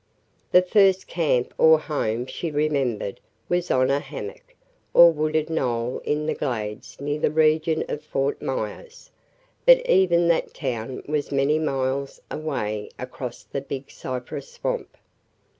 The first camp or home she remembered was on a "hammock" or wooded knoll in the Glades near the region of Fort Myers, but even that town was many miles away across the Big Cypress Swamp.